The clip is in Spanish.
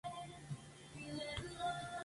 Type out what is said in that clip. El ejercicio moderado era considerado como valioso.